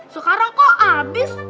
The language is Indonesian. sekarang kok abis